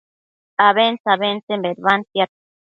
abentse-abentsen bedbantiad